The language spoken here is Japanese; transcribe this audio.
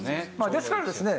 ですからですね